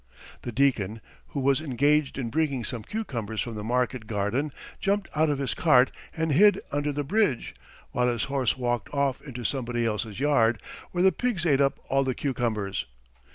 The deacon, who was engaged in bringing some cucumbers from the market garden, jumped out of his cart and hid under the bridge; while his horse walked off into somebody else's yard, where the pigs ate up all the cucumbers.